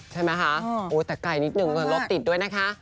ใช่ไหมคะแต่ไกลนิดนึงรถติดด้วยนะคะ